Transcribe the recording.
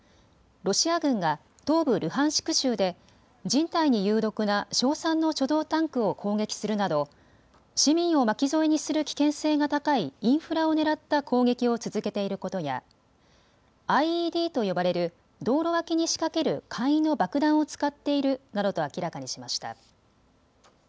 ロシア軍が東部ルハンシク州で人体に有毒な硝酸の貯蔵タンクを攻撃するなど市民を巻き添えにする危険性が高いインフラを狙った攻撃を続けていることやＩＥＤと呼ばれる道路脇に仕掛ける簡易の爆弾を使っているなどと明らかにしました。